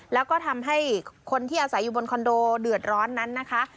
แล้วก็ทำให้คนที่อาศัยอยู่บนคอนโดเดือดร้อนนั้นนะคะ